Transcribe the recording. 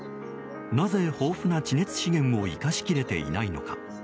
なぜ、豊富な地熱資源を生かし切れていないのか。